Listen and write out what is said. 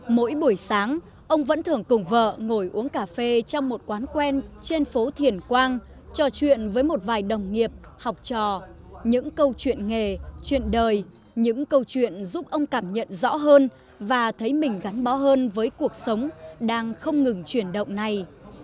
mỗi buổi sáng ông vẫn thường cùng vợ ngồi uống cà phê trong một quán quen trên phố thiền quang trò chuyện với một vài đồng nghiệp học trò những câu chuyện nghề chuyện đời những câu chuyện giúp ông cảm nhận rõ hơn và thấy mình gắn bó hơn với cuộc sống đang không ngừng chuyển động này